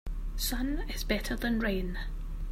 Sun is better than rain.